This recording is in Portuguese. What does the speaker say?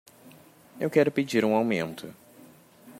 Eu quero pedir um aumento.